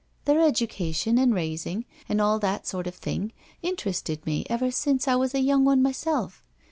Their education and raising and all that sort of thing interested me ever since I was a young one myself.